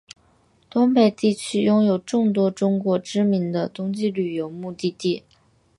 东北地区拥有众多中国知名的冬季旅游目的地。